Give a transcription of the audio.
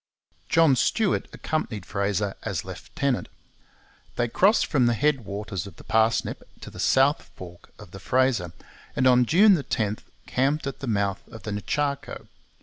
John Stuart accompanied Fraser as lieutenant. They crossed from the head waters of the Parsnip to the south fork of the Fraser, and on June 10 camped at the mouth of the Nechaco.